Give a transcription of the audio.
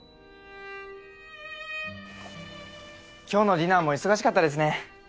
今日のディナーも忙しかったですね。